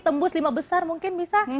tembus lima besar mungkin bisa